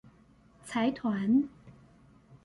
財團